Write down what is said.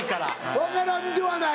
分からんではない。